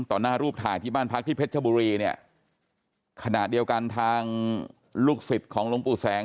หน้ารูปถ่ายที่บ้านพักที่เพชรชบุรีเนี่ยขณะเดียวกันทางลูกศิษย์ของหลวงปู่แสง